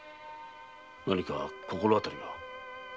何か心当たりは？